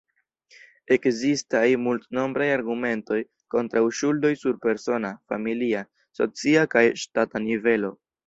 Ekzistaj multnombraj argumentoj kontraŭ ŝuldoj sur persona, familia, socia kaj ŝtata nivelo.